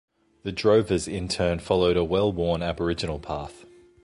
The drovers in turn followed a well-worn Aboriginal path.